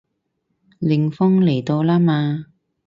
冷鋒嚟到啦嘛